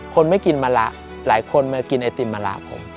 คนไม่กินมะละหลายคนมากินไอติมมะละผม